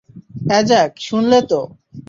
অ্যাজাক, শুনলে তো?